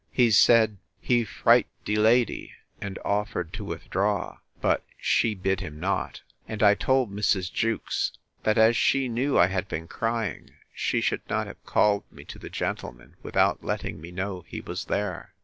He said, he fright de lady; and offered to withdraw; but she bid him not; and I told Mrs. Jewkes, That as she knew I had been crying, she should not have called me to the gentleman without letting me know he was there.